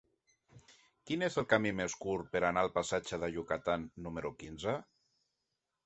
Quin és el camí més curt per anar al passatge de Yucatán número quinze?